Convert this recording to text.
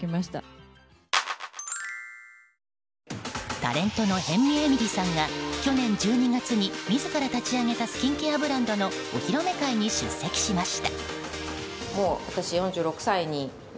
タレントの辺見えみりさんが去年１２月に自ら立ち上げたスキンケアブランドのお披露目会に出席しました。